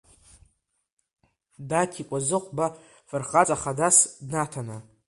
Даҭикәа Зыхәба фырхаҵа хадас днаҭаны…